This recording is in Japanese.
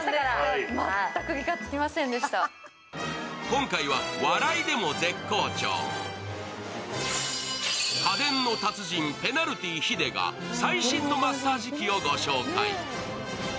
今回は、笑いでも絶好調、家電の達人、ペナルティヒデが最新のマッサージ器をご紹介。